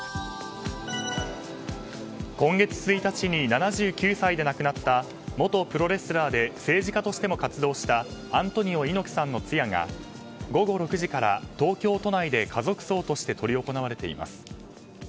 今月１日に７９歳で亡くなった元プロレスラーで政治家としても活動したアントニオ猪木さんの通夜が午後６時から東京都内で家族葬として執り行われています。